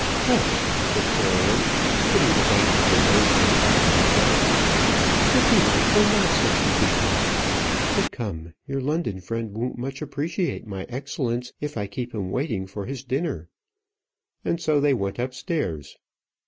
"Tush!" said Caroline, putting the back of her nosegay up to his mouth. "What delightful nonsense you can talk. But come, your London friend won't much appreciate my excellence if I keep him waiting for his dinner." And so they went upstairs.